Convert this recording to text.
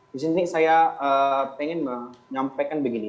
di sini saya ingin menyampaikan begini